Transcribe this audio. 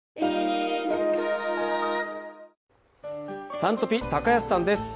「Ｓｕｎトピ」、高安さんです。